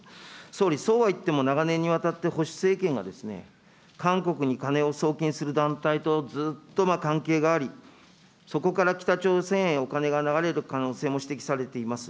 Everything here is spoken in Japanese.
総理、そうは言っても、長年にわたって保守政権が、韓国に金を送金する団体とずっと関係があり、そこから北朝鮮へお金が流れる可能性も指摘されています。